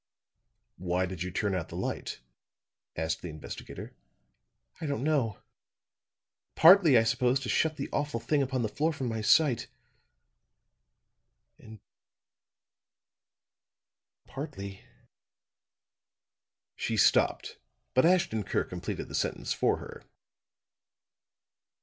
"Why did you turn out the light?" asked the investigator. "I don't know. Partly, I suppose, to shut the awful thing upon the floor from my sight and partly " She stopped, but Ashton Kirk completed the sentence for her.